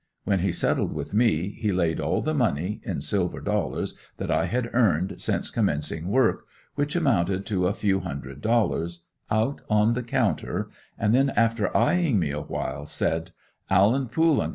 When he settled with me he laid all the money, in silver dollars, that I had earned since commencing work, which amounted to a few hundred dollars, out on the counter and then after eyeing me awhile, said: "Allen, Pool & Co.